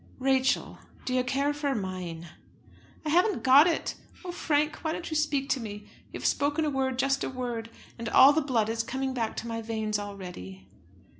"Rachel, do you care for mine?" "I haven't got it! Oh, Frank, why don't you speak to me? You have spoken a word, just a word, and all the blood is coming back to my veins already."